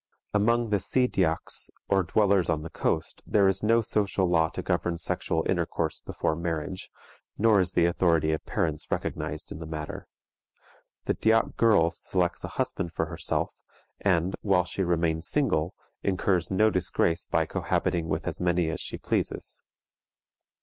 Among the Sea Dyaks, or dwellers on the coast, there is no social law to govern sexual intercourse before marriage, nor is the authority of parents recognized in the matter. The Dyak girl selects a husband for herself, and, while she remains single, incurs no disgrace by cohabiting with as many as she pleases.